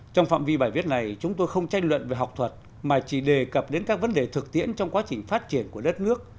trong phạm vi bài viết này chúng tôi không tranh luận về học thuật mà chỉ đề cập đến các vấn đề thực tiễn trong quá trình phát triển của đất nước